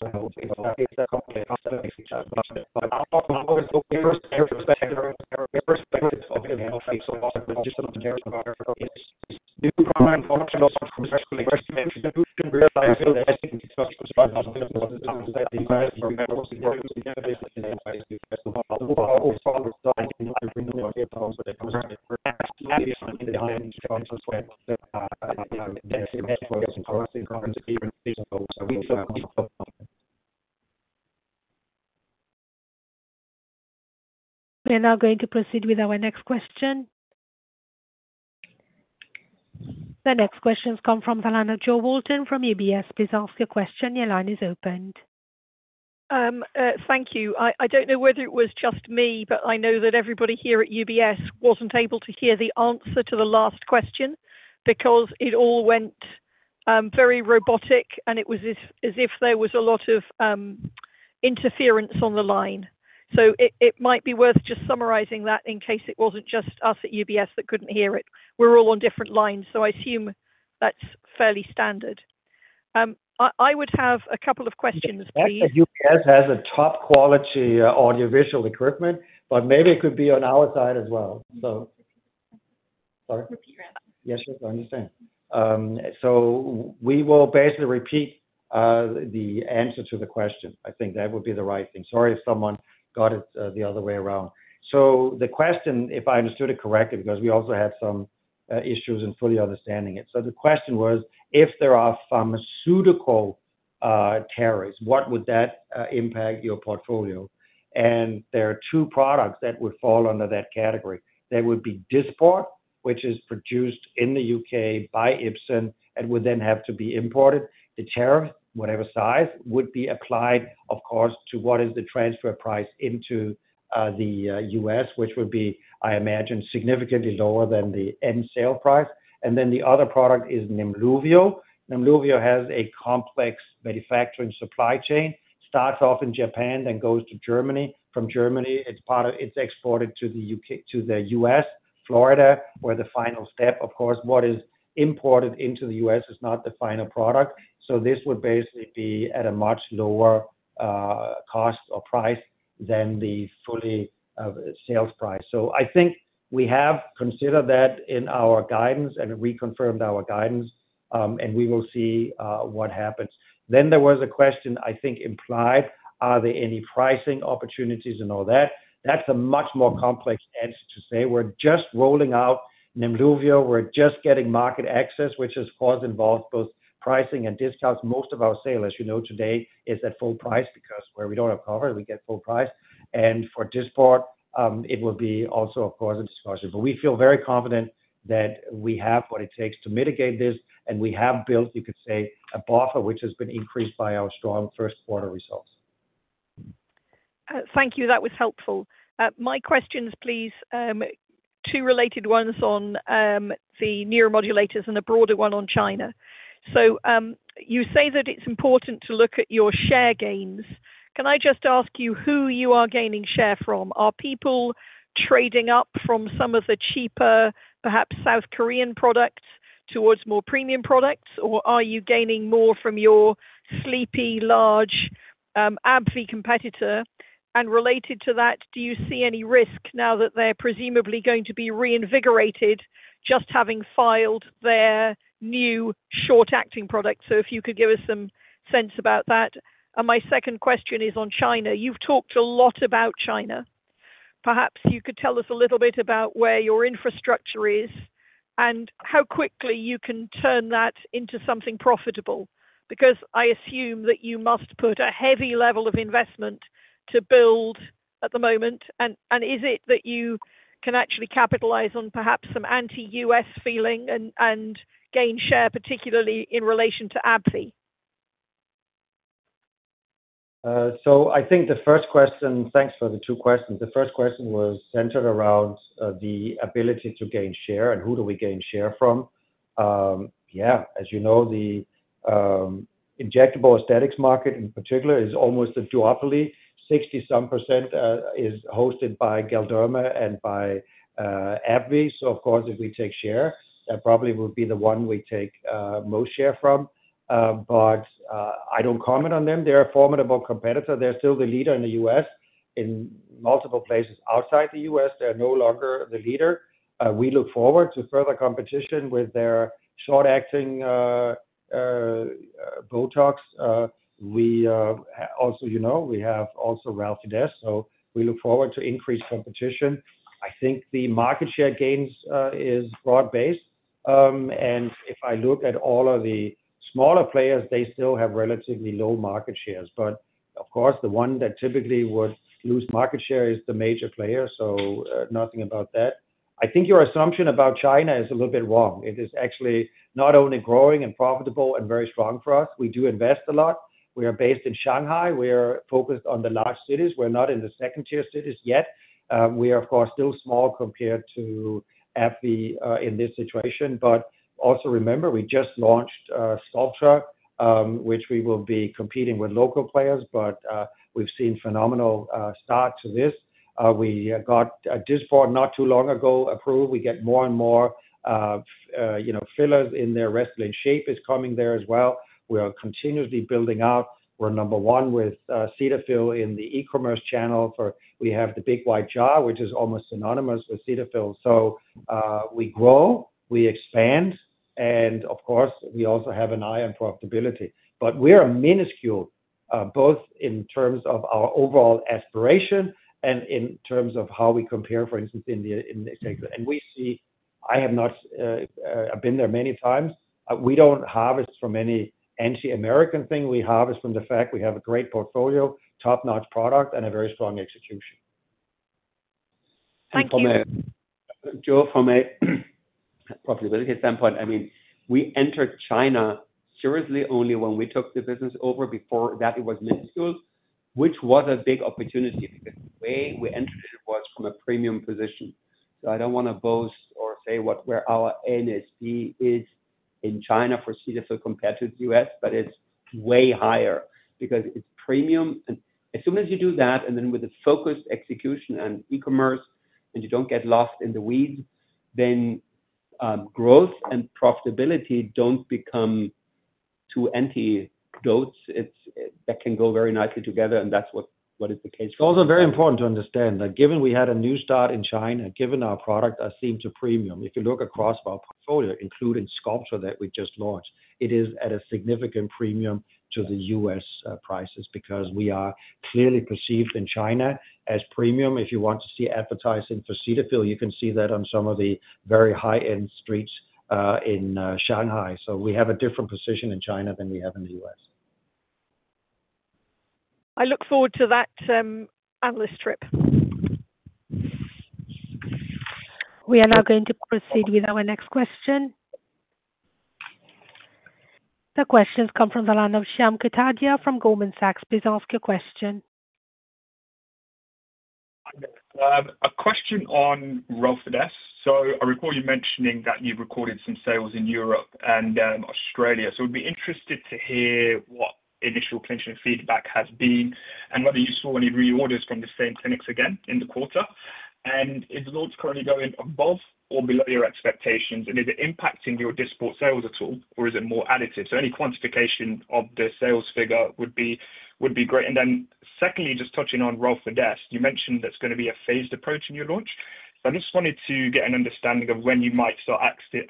[audio distortion] We are now going to proceed with our next question. The next questions come from the line of Jo Walton from UBS. Please ask your question. Your line is opened. Thank you. I don't know whether it was just me, but I know that everybody here at UBS wasn't able to hear the answer to the last question because it all went very robotic, and it was as if there was a lot of interference on the line. It might be worth just summarizing that in case it wasn't just us at UBS that couldn't hear it. We're all on different lines, so I assume that's fairly standard. I would have a couple of questions, please. UBS has a top-quality audiovisual equipment, but maybe it could be on our side as well. [crosstalk] I understand. We will basically repeat the answer to the question. I think that would be the right thing. Sorry if someone got it the other way around. The question, if I understood it correctly, because we also had some issues in fully understanding it. The question was, if there are pharmaceutical tariffs, what would that impact your portfolio? There are two products that would fall under that category. There would be Dysport, which is produced in the U.K. by Ipsen and would then have to be imported. The tariff, whatever size, would be applied, of course, to what is the transfer price into the U.S., which would be, I imagine, significantly lower than the end sale price. The other product is Nemluvio. Nemluvio has a complex manufacturing supply chain. It starts off in Japan, then goes to Germany. From Germany, it's exported to the U.S., Florida, where the final step, of course, what is imported into the U.S. is not the final product. This would basically be at a much lower cost or price than the fully sales price. I think we have considered that in our guidance and reconfirmed our guidance, and we will see what happens. There was a question, I think, implied, are there any pricing opportunities and all that? That's a much more complex answer to say. We're just rolling out Nemluvio. We're just getting market access, which of course involves both pricing and discounts. Most of our sale, as you know, today is at full price because where we don't have cover, we get full price. For Dysport, it will be also, of course, a discussion. We feel very confident that we have what it takes to mitigate this, and we have built, you could say, a buffer which has been increased by our strong first quarter results. Thank you. That was helpful. My questions, please, two related ones on the neuromodulators and a broader one on China. You say that it's important to look at your share gains. Can I just ask you who you are gaining share from? Are people trading up from some of the cheaper, perhaps South Korean products towards more premium products, or are you gaining more from your sleepy, large AbbVie competitor? Related to that, do you see any risk now that they're presumably going to be reinvigorated just having filed their new short-acting product? If you could give us some sense about that. My second question is on China. You've talked a lot about China. Perhaps you could tell us a little bit about where your infrastructure is and how quickly you can turn that into something profitable, because I assume that you must put a heavy level of investment to build at the moment. Is it that you can actually capitalize on perhaps some anti-U.S. feeling and gain share, particularly in relation to AbbVie? I think the first question, thanks for the two questions. The first question was centered around the ability to gain share and who do we gain share from. Yeah, as you know, the Injectable Aesthetics market in particular is almost a duopoly. 60-some % is hosted by Galderma and by AbbVie. Of course, if we take share, that probably would be the one we take most share from. I don't comment on them. They're a formidable competitor. They're still the leader in the U.S. In multiple places outside the U.S., they're no longer the leader. We look forward to further competition with their short-acting BOTOX. Also, we have also Relfydess, so we look forward to increased competition. I think the market share gains is broad-based. If I look at all of the smaller players, they still have relatively low market shares. Of course, the one that typically would lose market share is the major player. Nothing about that. I think your assumption about China is a little bit wrong. It is actually not only growing and profitable and very strong for us. We do invest a lot. We are based in Shanghai. We are focused on the large cities. We're not in the second-tier cities yet. We are, of course, still small compared to AbbVie in this situation. Also remember, we just launched Sculptra, which we will be competing with local players, but we've seen a phenomenal start to this. We got Dysport not too long ago approved. We get more and more fillers in there. Restylane SHAYPE is coming there as well. We are continuously building out. We're number one with Cetaphil in the e-commerce channel. We have the big white jar, which is almost synonymous with Cetaphil. We grow, we expand, and of course, we also have an eye on profitability. We're minuscule, both in terms of our overall aspiration and in terms of how we compare, for instance, in the ex-U.S. We see, I have not been there many times. We don't harvest from any anti-American thing. We harvest from the fact we have a great portfolio, top-notch product, and a very strong execution. Thank you. From a profitability standpoint, I mean, we entered China seriously only when we took the business over. Before that, it was minuscule, which was a big opportunity because the way we entered it was from a premium position. I do not want to boast or say what our NSP is in China for Cetaphil compared to the U.S., but it is way higher because it is premium. As soon as you do that, and then with the focused execution and e-commerce, and you do not get lost in the weeds, growth and profitability do not become two antipodes. That can go very nicely together, and that is what is the case for us. It's also very important to understand that given we had a new start in China, given our product seemed to premium, if you look across our portfolio, including Sculptra that we just launched, it is at a significant premium to the U.S. prices because we are clearly perceived in China as premium. If you want to see advertising for Cetaphil, you can see that on some of the very high-end streets in Shanghai. We have a different position in China than we have in the U.S. I look forward to that analyst trip. We are now going to proceed with our next question. The questions come from the line of Shyam Kotadia from Goldman Sachs. Please ask your question. A question on Relfydess. I recall you mentioning that you've recorded some sales in Europe and Australia. I'd be interested to hear what initial clinician feedback has been and whether you saw any reorders from the same clinics again in the quarter. Is the launch currently going above or below your expectations, and is it impacting your Dysport sales at all, or is it more additive? Any quantification of the sales figure would be great. Secondly, just touching on Relfydess, you mentioned that's going to be a phased approach in your launch. I just wanted to get an understanding of when you might start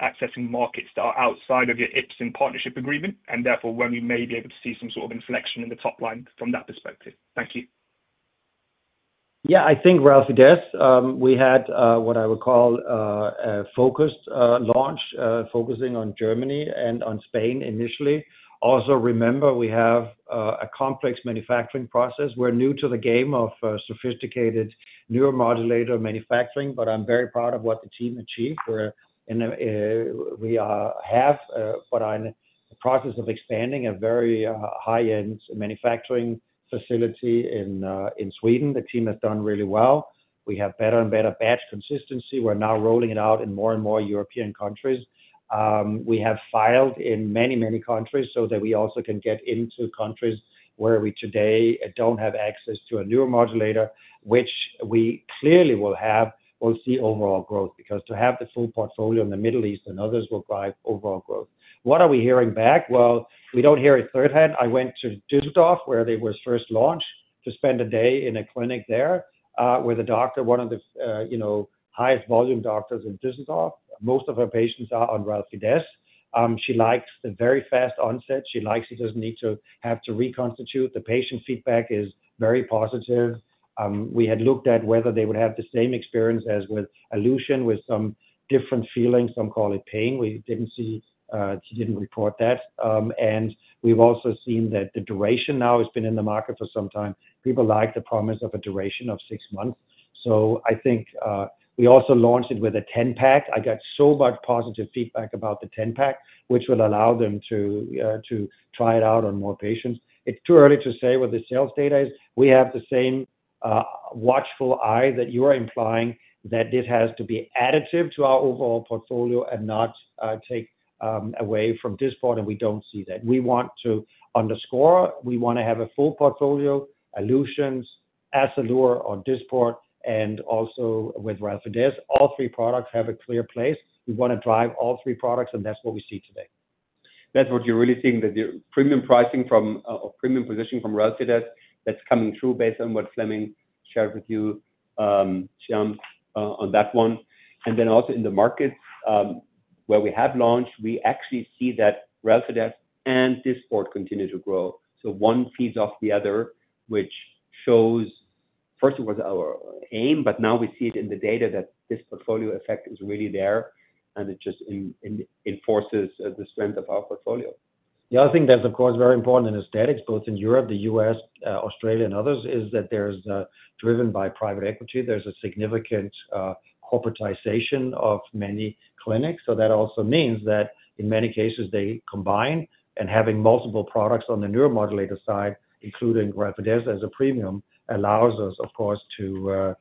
accessing markets that are outside of your Ipsen partnership agreement, and therefore when we may be able to see some sort of inflection in the top line from that perspective. Thank you. I think Relfydess, we had what I would call a focused launch focusing on Germany and on Spain initially. Also, remember, we have a complex manufacturing process. We're new to the game of sophisticated neuromodulator manufacturing, but I'm very proud of what the team achieved. We have what I call a process of expanding a very high-end manufacturing facility in Sweden. The team has done really well. We have better and better batch consistency. We're now rolling it out in more and more European countries. We have filed in many, many countries so that we also can get into countries where we today don't have access to a neuromodulator, which we clearly will have. We'll see overall growth because to have the full portfolio in the Middle East and others will drive overall growth. What are we hearing back? We don't hear it third-hand. I went to Düsseldorf where they were first launched to spend a day in a clinic there with a doctor, one of the highest volume doctors in Düsseldorf. Most of her patients are on Relfydess. She likes the very fast onset. She likes she doesn't need to have to reconstitute. The patient feedback is very positive. We had looked at whether they would have the same experience as with Alluzience with some different feelings, some call it pain. We didn't see she didn't report that. We have also seen that the duration now has been in the market for some time. People like the promise of a duration of six months. I think we also launched it with a 10-pack. I got so much positive feedback about the 10-pack, which will allow them to try it out on more patients. It's too early to say what the sales data is, we have the same watchful eye that you are implying that this has to be additive to our overall portfolio and not take away from Dysport, and we don't see that. We want to underscore. We want to have a full portfolio, Alluzience, Azzalure, or Dysport, and also with Relfydess. All three products have a clear place. We want to drive all three products, and that's what we see today. That's what you're really seeing, that premium pricing from or premium positioning from Relfydess that's coming through based on what Flemming shared with you, Shyam, on that one. Also, in the markets where we have launched, we actually see that Relfydess and Dysport continue to grow. One feeds off the other, which shows, first, it was our aim, but now we see it in the data that this portfolio effect is really there, and it just enforces the strength of our portfolio. The other thing that's, of course, very important in Aesthetics, both in Europe, the U.S., Australia, and others, is that it's driven by private equity. There's a significant corporatization of many clinics. That also means that in many cases, they combine. Having multiple products on the neuromodulator side, including Relfydess as a premium, allows us, of course, to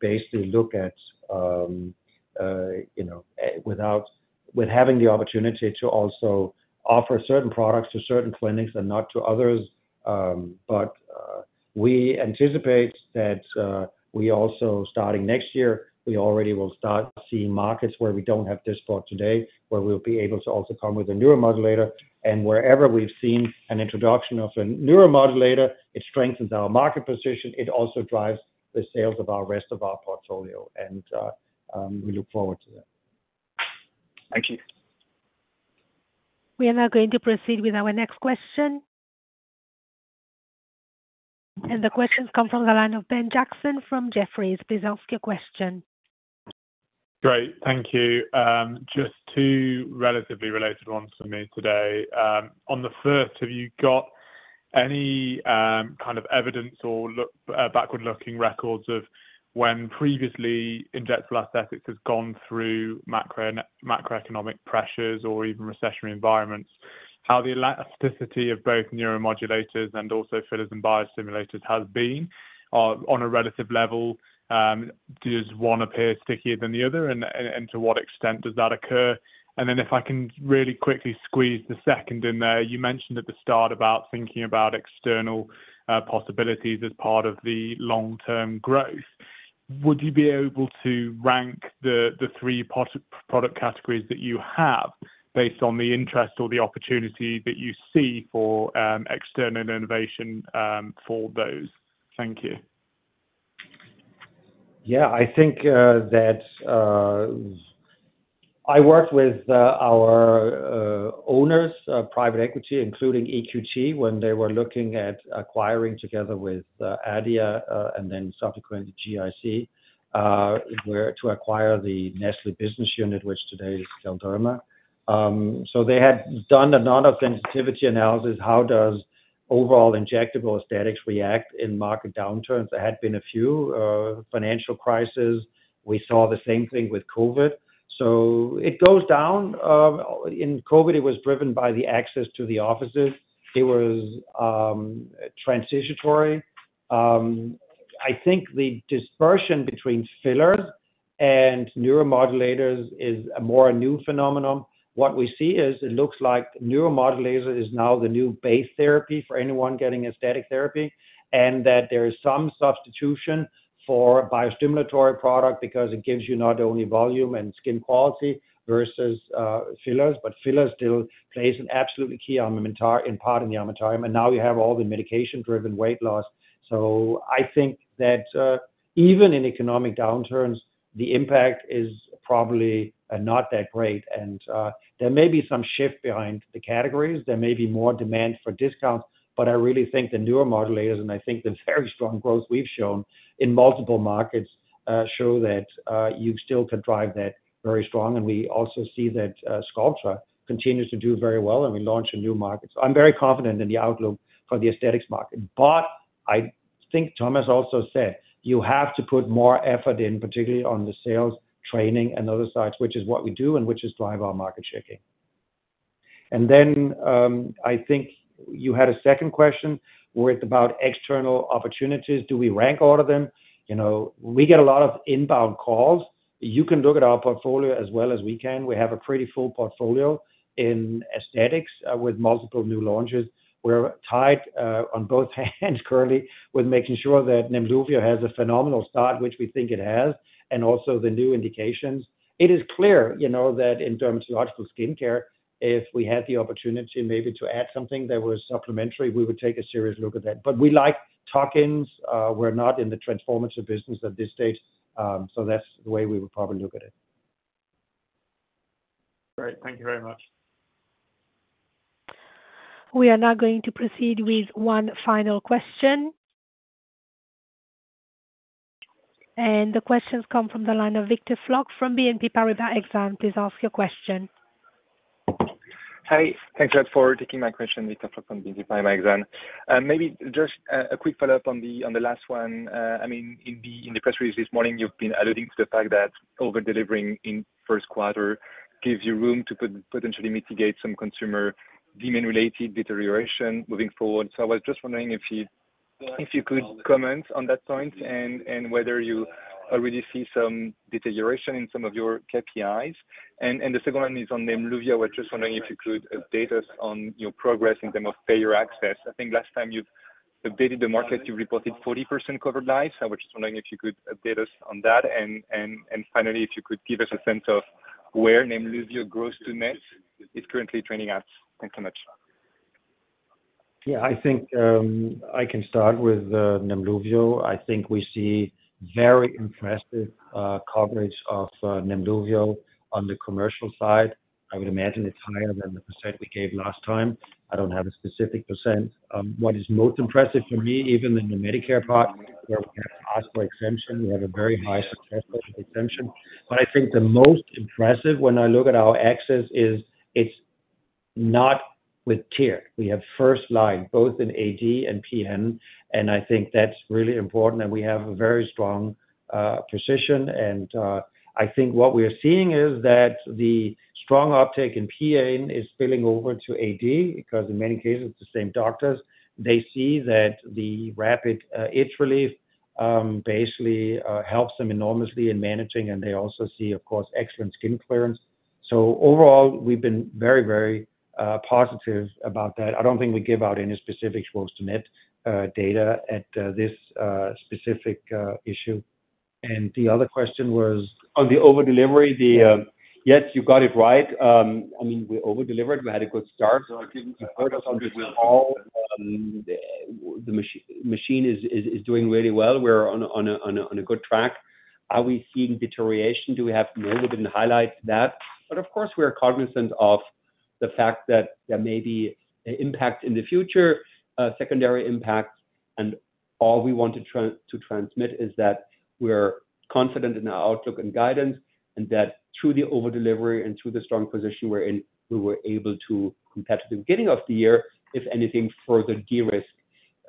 basically look at, without having the opportunity to also offer certain products to certain clinics and not to others. We anticipate that we also, starting next year, already will start seeing markets where we don't have Dysport today, where we'll be able to also come with a neuromodulator. Wherever we have seen an introduction of a neuromodulator, it strengthens our market position. It also drives the sales of the rest of our portfolio, and we look forward to that. Thank you. We are now going to proceed with our next question. The questions come from the line of Ben Jackson from Jefferies. Please ask your question. Great. Thank you. Just two relatively related ones for me today. On the first, have you got any kind of evidence or backward-looking records of when previously Injectable Aesthetics has gone through macroeconomic pressures or even recessionary environments, how the elasticity of both neuromodulators and also fillers and biostimulators has been on a relative level? Does one appear stickier than the other, and to what extent does that occur? If I can really quickly squeeze the second in there, you mentioned at the start about thinking about external possibilities as part of the long-term growth. Would you be able to rank the three product categories that you have based on the interest or the opportunity that you see for external innovation for those? Thank you. Yeah, I think that I worked with our owners, private equity, including EQT, when they were looking at acquiring together with ADIA and then subsequently GIC to acquire the Nestlé business unit, which today is Galderma. They had done a non-U.S. sensitivity analysis. How does overall Injectable Aesthetics react in market downturns? There had been a few financial crises. We saw the same thing with COVID. It goes down. In COVID, it was driven by the access to the offices. It was transitional. I think the dispersion between fillers and neuromodulators is a more new phenomenon. What we see is it looks like neuromodulators is now the new base therapy for anyone getting aesthetic therapy, and that there is some substitution for a biostimulator product because it gives you not only volume and skin quality versus fillers, but fillers still play an absolutely key part in the armamentarium. Now you have all the medication-driven weight loss. I think that even in economic downturns, the impact is probably not that great. There may be some shift behind the categories. There may be more demand for discounts, but I really think the neuromodulators, and I think the very strong growth we've shown in multiple markets show that you still can drive that very strong. We also see that Sculptra continues to do very well, and we launched a new market. I'm very confident in the outlook for the Aesthetics market. I think Thomas also said you have to put more effort in, particularly on the sales, training, and other sides, which is what we do and which is driving our market shaping. I think you had a second question. We're about external opportunities. Do we rank all of them? We get a lot of inbound calls. You can look at our portfolio as well as we can. We have a pretty full portfolio in aesthetics with multiple new launches. We're tied on both hands currently with making sure that Nemluvio has a phenomenal start, which we think it has, and also the new indications. It is clear that in Dermatological Skincare, if we had the opportunity maybe to add something that was supplementary, we would take a serious look at that. We like tuck-ins. We're not in the transformative business at this stage. That's the way we would probably look at it. Great. Thank you very much. We are now going to proceed with one final question. The questions come from the line of Victor Floc'h from BNP Paribas Exane. Please ask your question. Hi. Thanks for taking my question, Victor Floc'h from BNP Paribas Exane. Maybe just a quick follow-up on the last one. I mean, in the press release this morning, you've been alluding to the fact that over-delivering in first quarter gives you room to potentially mitigate some consumer demand-related deterioration moving forward. I was just wondering if you could comment on that point and whether you already see some deterioration in some of your KPIs. The second one is on Nemluvio. We're just wondering if you could update us on your progress in terms of payer access. I think last time you've updated the market, you've reported 40% covered lives. I was just wondering if you could update us on that. Finally, if you could give us a sense of where Nemluvio grows to next. It's currently tracking upwards. Thanks so much. Yeah, I think I can start with Nemluvio. I think we see very impressive coverage of Nemluvio on the commercial side. I would imagine it's higher than the percent we gave last time. I don't have a specific percent. What is most impressive for me, even in the Medicare part, where we have to ask for exemption, we have a very high success rate of exemption. I think the most impressive when I look at our access is it's not with tier. We have first line, both in AD and PN. I think that's really important. We have a very strong position. I think what we are seeing is that the strong uptake in PN is spilling over to AD because in many cases, the same doctors, they see that the rapid itch relief basically helps them enormously in managing, and they also see, of course, excellent skin clearance. Overall, we've been very, very positive about that. I don't think we give out any specific scores to net data at this specific issue. The other question was on the over-delivery. Yes, you got it right. I mean, we over-delivered. We had a good start. I think you've heard us on this call. The machine is doing really well. We're on a good track. Are we seeing deterioration? Do we have a little bit of highlight to that? Of course, we are cognizant of the fact that there may be impacts in the future, secondary impacts. All we want to transmit is that we're confident in our outlook and guidance, and that through the over-delivery and through the strong position we're in, we were able to, compared to the beginning of the year, if anything, further de-risk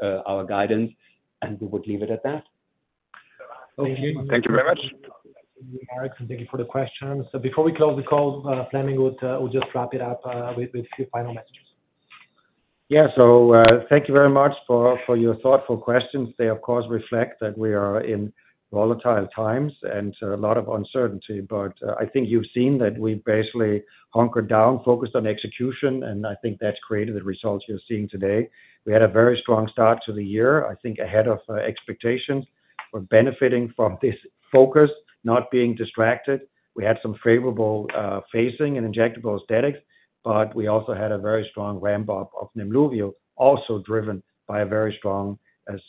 our guidance. We would leave it at that. Thank you. Thank you very much. Thank you for the questions. Before we close the call, Flemming would just wrap it up with a few final messages. Yeah, thank you very much for your thoughtful questions. They, of course, reflect that we are in volatile times and a lot of uncertainty. I think you've seen that we basically hunkered down, focused on execution, and I think that's created the results you're seeing today. We had a very strong start to the year. I think ahead of expectations, we're benefiting from this focus, not being distracted. We had some favorable phasing in Injectable Aesthetics, but we also had a very strong ramp-up of Nemluvio, also driven by a very strong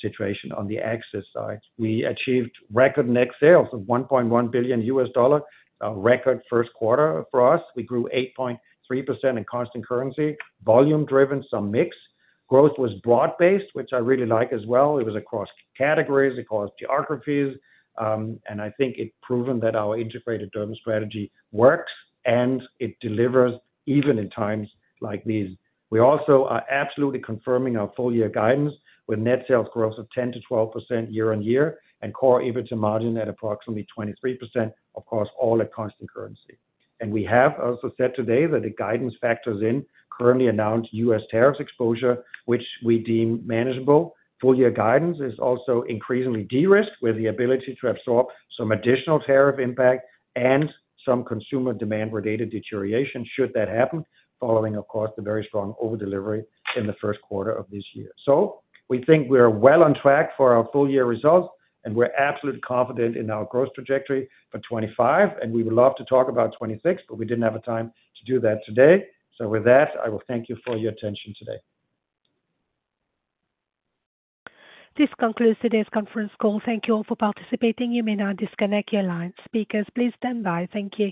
situation on the access side. We achieved record net sales of $1.1 billion, a record first quarter for us. We grew 8.3% in constant currency, volume-driven, some mix. Growth was broad-based, which I really like as well. It was across categories, across geographies. I think it's proven that our integrated derma strategy works, and it delivers even in times like these. We also are absolutely confirming our full-year guidance with net sales growth of 10%-12% year-on-year and core EBITDA margin at approximately 23%, of course, all at constant currency. We have also said today that the guidance factors in currently announced U.S. tariff exposure, which we deem manageable. Full-year guidance is also increasingly de-risked with the ability to absorb some additional tariff impact and some consumer demand-related deterioration should that happen, following, of course, the very strong over-delivery in the first quarter of this year. We think we are well on track for our full-year results, and we're absolutely confident in our growth trajectory for 2025. We would love to talk about 2026, but we didn't have time to do that today. With that, I will thank you for your attention today. This concludes today's conference call. Thank you all for participating. You may now disconnect your line, speakers. Please stand by. Thank you.